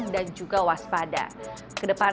anda harus mengambil alat kesehatan